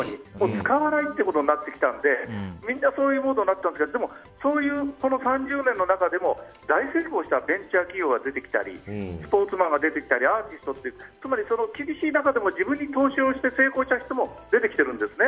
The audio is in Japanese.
使わないってことになってきたのでみんなそういうモードになっちゃうんですけどその３０年の中でも大成功したベンチャー企業が出てきたりスポーツマンが出てきたりアーティストとか厳しい中でも自分に投資をして成功した人も出てきてるんですね。